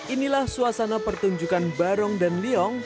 inilah suasana pertunjukan barong dan liong